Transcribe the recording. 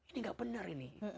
ini nggak benar ini